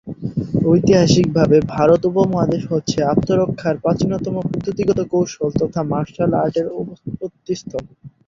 ঐতিহাসিক ভাবে ভারত উপমহাদেশ হচ্ছে আত্মরক্ষার প্রাচীনতম পদ্ধতিগত কৌশল তথা মার্শাল আর্টের উৎপত্তি স্থল।